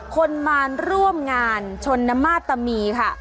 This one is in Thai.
คนมาร่วมงานชนนมาตมีค่ะ